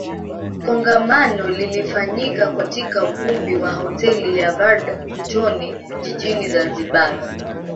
Kongamano lilifanyika katika ukumbi wa Hoteli ya Verde Mtoni Jijini Zanzibar